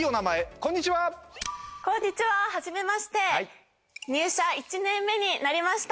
こんにちはこんにちははじめまして入社１年目になりました